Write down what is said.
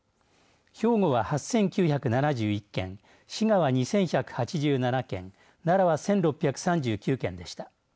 兵庫が８９７１件滋賀は２１８７件奈良は１６３９件でした。